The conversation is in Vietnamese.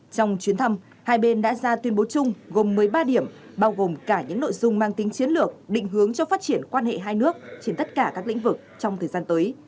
trong chuyến thăm hai bên đã ra tuyên bố chung gồm một mươi ba điểm bao gồm cả những nội dung mang tính chiến lược định hướng cho phát triển quan hệ hai nước trên tất cả các lĩnh vực trong thời gian tới